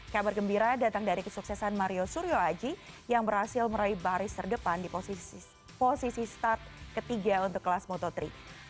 kabar gembira datang dari kesuksesan mario suryoaji yang berhasil meraih baris terdepan di posisi start ketiga untuk kelas motogp